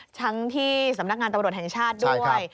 ทั้งที่สำนักงานตำรวจแห่งชาติด้วย